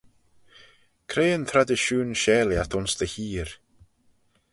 Cre yn tradishoon share lhiat ayns dty heer?